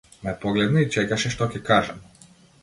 Ме погледна и чекаше што ќе кажам.